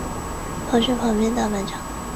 跑去旁边大卖场